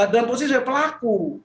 dalam posisi pelaku